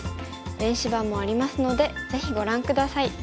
電子版もありますのでぜひご覧下さい。